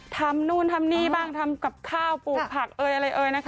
ทำนู่นทำนี่บ้างทำกับข้าวปลูกผักเอยอะไรเอ่ยนะคะ